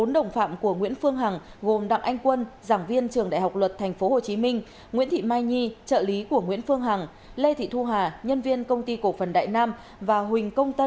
bốn đồng phạm của nguyễn phương hằng gồm đặng anh quân giảng viên trường đại học luật tp hcm nguyễn thị mai nhi trợ lý của nguyễn phương hằng lê thị thu hà nhân viên công ty cổ phần đại nam và huỳnh công tạp